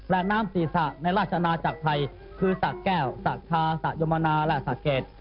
และน้ำศีรษะในราชอาณาจากไทยคือสักแก้วสักท้าสักยมนาและสักเกด